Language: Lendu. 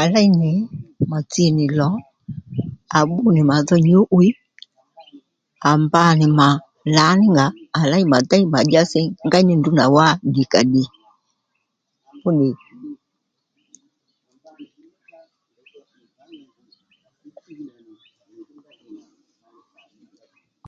À léy nì mà tsi nì lò à bbú nì màdho nyǔ'wiy à mba nì mà lǎní ngà à ley mà déy mà dyási ngéy ní ndrǔ nà wá ddìkàddì fúnì